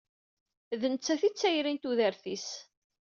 D nettat i d tayri n tudert-is.